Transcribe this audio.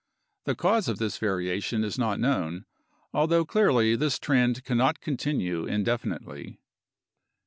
The cause of this variation is not known, although clearly this trend cannot continue indefinitely.